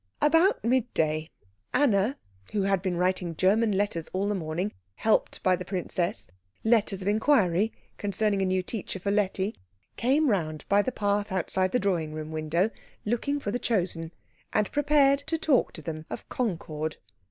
About midday Anna, who had been writing German letters all the morning helped by the princess, letters of inquiry concerning a new teacher for Letty, came round by the path outside the drawing room window looking for the Chosen, and prepared to talk to them of concord.